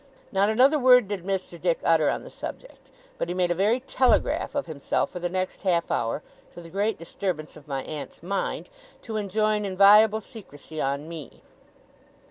Not another word did Mr. Dick utter on the subject; but he made a very telegraph of himself for the next half hour (to the great disturbance of my aunt's mind), to enjoin inviolable secrecy on me.